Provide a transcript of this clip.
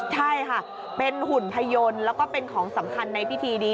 ใช่ค่ะเป็นหุ่นพยนตร์แล้วก็เป็นของสำคัญในพิธีนี้